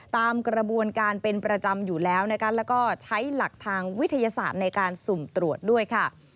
ตามกระบวนการเป็นประจำอยู่แล้วนะคะแล้วก็ใช้หลักทางวิทยาศาสตร์ในการสุ่มตรวจด้วยค่ะ